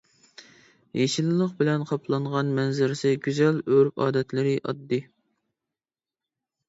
يېشىللىق بىلەن قاپلانغان، مەنزىرىسى گۈزەل، ئۆرپ-ئادەتلىرى ئاددىي.